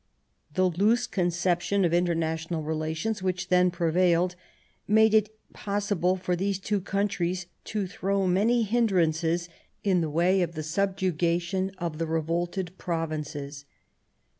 The loose conception of inter national relations which then prevailed made it possible for these two countries to throw many hindrances in the way of the subjugation of the re volted provinces.